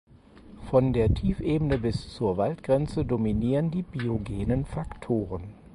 Von der Tiefebene bis zur Waldgrenze dominieren die biogenen Faktoren.